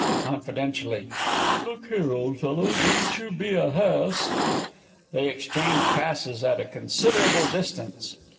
(Confidentially.) (Look here, old fellow, don't you be a hass!) [_They exchange passes at a considerable distance.